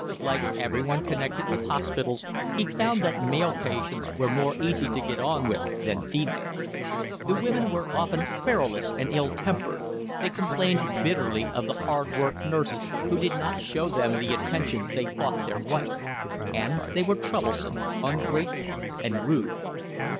Like everyone connected with hospitals he found that male patients were more easy to get on with than female. The women were often querulous and ill tempered. They complained bitterly of the hard worked nurses, who did not show them the attention they thought their right; and they were troublesome, ungrateful, and rude.